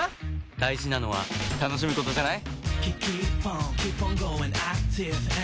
大事なのは楽しむことじゃない？